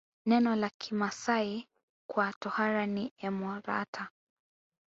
Neno la Kimasai kwa tohara ni emorata